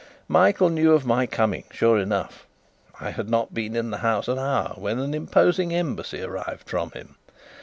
Michael knew of my coming, sure enough. I had not been in the house an hour, when an imposing Embassy arrived from him.